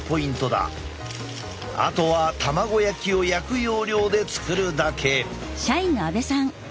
あとは卵焼きを焼く要領で作るだけ。